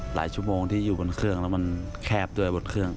ชั่วโมงที่อยู่บนเครื่องแล้วมันแคบด้วยบนเครื่อง